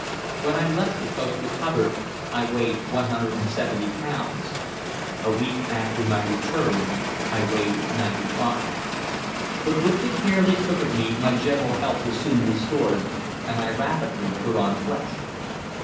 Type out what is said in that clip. When I left the post with Hubbard I weighed 170 pounds; a week after my return I weighed ninety five. But with the care they took of me my general health was soon restored, and I rapidly put on flesh.